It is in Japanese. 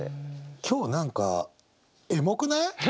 今日何かエモくない！？